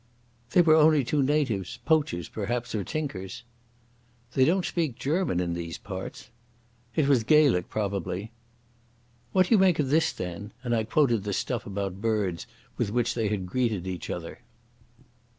"They were only two natives—poachers, perhaps, or tinkers." "They don't speak German in these parts." "It was Gaelic probably." "What do you make of this, then?" and I quoted the stuff about birds with which they had greeted each other.